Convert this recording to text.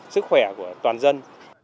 sức khỏe của toàn dân